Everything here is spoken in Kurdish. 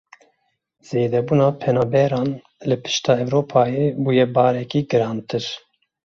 Zêdebûna penaberan li pişta Ewropayê bûye barekî girantir.